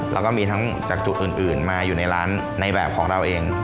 แล้วก็มีทั้งจากจุดอื่นมาอยู่ในร้านในแบบของเราเอง